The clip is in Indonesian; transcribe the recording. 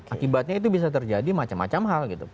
akibatnya itu bisa terjadi macam macam hal gitu